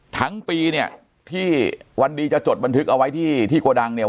ทั้งปีเนี่ยที่วันดีจะจดบันทึกเอาไว้ที่ที่โกดังเนี่ย